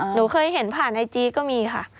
หนูเคยเห็นผ่านไอจีก็มีค่ะ